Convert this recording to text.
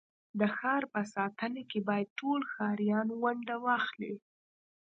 د ښار په ساتنه کي بايد ټول ښاریان ونډه واخلي.